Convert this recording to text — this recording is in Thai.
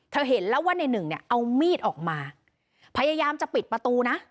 เห็นแล้วว่าในหนึ่งเนี่ยเอามีดออกมาพยายามจะปิดประตูนะ